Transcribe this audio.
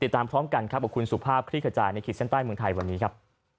เราพร้อมกันกับคุณสุภาพคลิกจาในคิดเส้นใต้เมืองไทยวันนี้ครับ